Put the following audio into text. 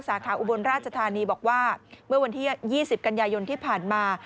สาขาอุบลราชธานีบอกว่าเมื่อวันที่๒๐กันยายนที่ผ่านมา